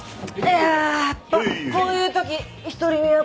やっぱこういう時独り身は心細いね。